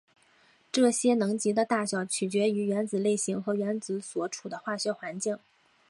这些能级的大小取决于原子类型和原子所处的化学环境。